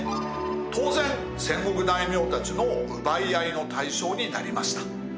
当然戦国大名たちの奪い合いの対象になりました。